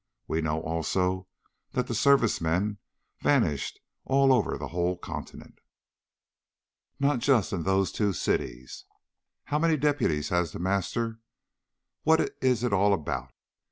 We know, also, that the Service men vanished all over the whole continent, not in just those two cities. How many deputies has The Master? What's it all about?